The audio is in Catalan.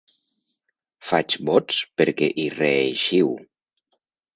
Faig vots perquè hi reeixiu.